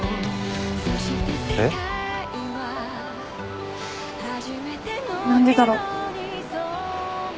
えっ？何でだろう。